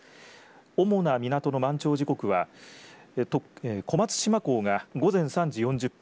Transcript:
主な港の満潮時刻は小松島港が午前３時４０分